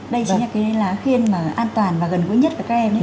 đây chính là cái lá khuyên mà an toàn và gần gũi nhất với các em đấy đúng không